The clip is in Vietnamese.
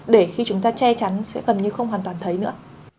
để khi chúng ta che chắn sẽ gần như không hoàn toàn thấy nữa